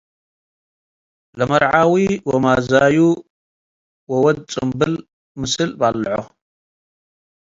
ለመርዓዊ ወማዛዩ ወወድ ጽምብል ምስል በልዖ ።